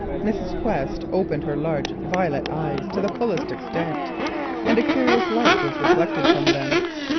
Mrs. Quest opened her large violet eyes to the fullest extent, and a curious light was reflected from them.